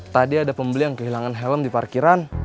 tadi ada pembeli yang kehilangan helm di parkiran